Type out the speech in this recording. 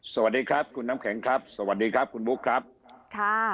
สวัสดีครับคุณน้ำแข็งครับสวัสดีครับคุณบุ๊คครับค่ะ